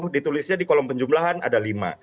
ditulisnya di kolom penjumlahan ada lima